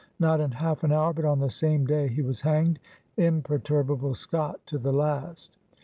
'' Not in half an hour, but on the same day he was hanged, imper* turbable Scot to the last.